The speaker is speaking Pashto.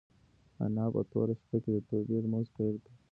انا په توره شپه کې د توبې لمونځ پیل کړ.